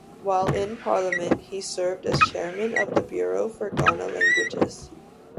While in parliament he served as chairman of the bureau for Ghana languages.